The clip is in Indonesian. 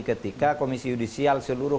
ketika komisi yudisial seluruh